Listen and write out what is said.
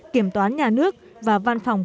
kiểm toán nhà nước và văn phòng